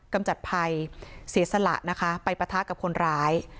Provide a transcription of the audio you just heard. กำจัดภัยเสียสละนะคะไปปะทะกับคนร้าย